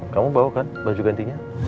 kamu bawa kan baju gantinya